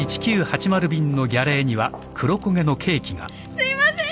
すいません！